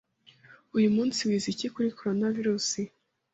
Uyu munsi wize iki kuri Coronavirus?